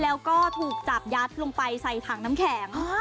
แล้วก็ถูกจับยัดลงไปใส่ถังน้ำแข็ง